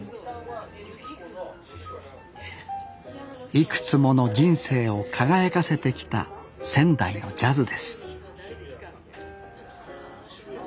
いくつもの人生を輝かせてきた仙台のジャズです